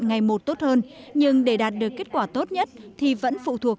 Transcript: ngày một tốt hơn nhưng để đạt được kết quả tốt nhất thì vẫn phụ thuộc